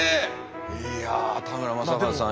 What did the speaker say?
いや田村正和さん